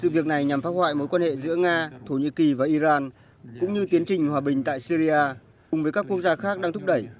sự việc này nhằm phác hoại mối quan hệ giữa nga thổ nhĩ kỳ và iran cũng như tiến trình hòa bình tại syria cùng với các quốc gia khác đang thúc đẩy